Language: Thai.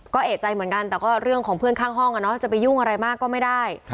ก็เอกใจเหมือนกันแต่ก็เรื่องของเพื่อนข้างห้องจะไปยุ่งอะไรมากก็ไม่ได้